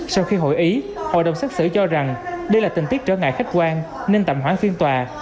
sau khi hội ý hội đồng xác xử cho rằng đây là tình tiết trở ngại khách quan nên tạm hoãn phiên tòa